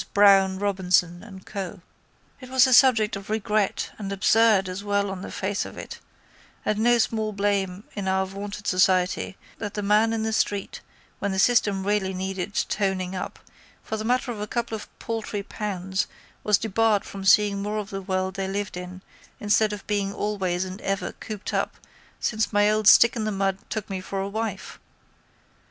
Brown, Robinson and Co. It was a subject of regret and absurd as well on the face of it and no small blame to our vaunted society that the man in the street, when the system really needed toning up, for the matter of a couple of paltry pounds was debarred from seeing more of the world they lived in instead of being always and ever cooped up since my old stick in the mud took me for a wife.